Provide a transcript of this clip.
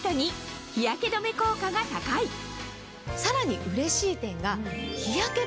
さらにうれしい点が。